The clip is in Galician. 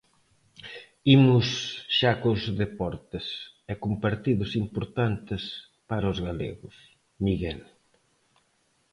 Imos xa cos deportes, e con partidos importantes para os galegos, Miguel.